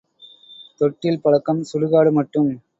தொட்டில் பழக்கம் சுடுகாடு மட்டும்.